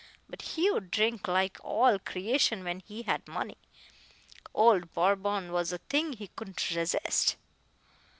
But he would drink like all creation when he had money. Old Bourbon was a thing he couldn't resist.